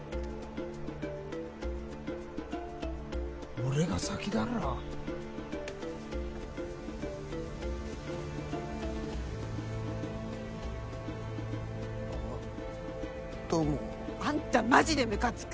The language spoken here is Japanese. （俺が先だろあっどうも。あんたマジでむかつく。